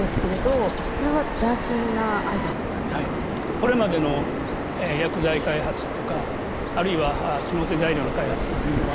これまでの薬剤開発とかあるいは機能性材料の開発というのは